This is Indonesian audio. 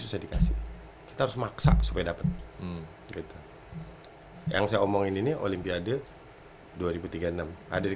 susah dikasih kita harus maksa supaya dapat yang saya omongin ini olimpiade dua ribu tiga puluh enam ada di